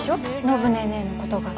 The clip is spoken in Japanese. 暢ネーネーのことが。